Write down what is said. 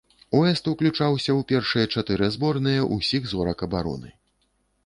Уэст уключаўся ў першыя чатыры зборныя ўсіх зорак абароны.